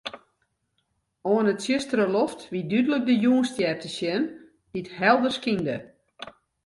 Oan 'e tsjustere loft wie dúdlik de Jûnsstjer te sjen, dy't helder skynde.